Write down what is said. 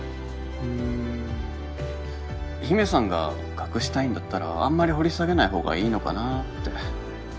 うん陽芽さんが隠したいんだったらあんまり掘り下げない方がいいのかなって